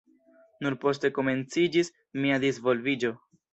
Nur poste komenciĝis mia disvolviĝo.